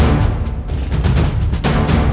bahkan manusia itu merupakan warga